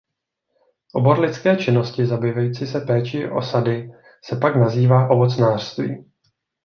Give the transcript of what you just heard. Obor lidské činnosti zabývající se péčí o sady se pak nazývá ovocnářství.